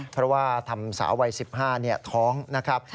เพราะว่าทำสาววัย๑๕ท้องนะครับ